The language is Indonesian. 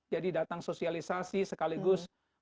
jadi datang sosialisasi sekaligus